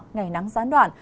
ngày nắng gián đoạn